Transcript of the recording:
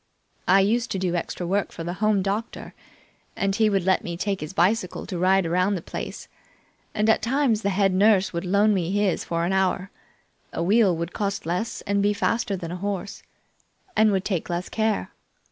I used to do extra work for the Home doctor, and he would let me take his bicycle to ride around the place. And at times the head nurse would loan me his for an hour. A wheel would cost less and be faster than a horse, and would take less care.